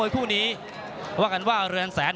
พี่น้องอ่ะพี่น้องอ่ะ